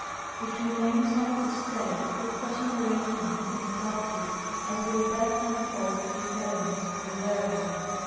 It remains only to state, that such an arrangement has been adopted as will best unfold these elements to the learner.